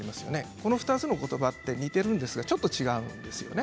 この２つの言葉って似ているんですがちょっと違うんです。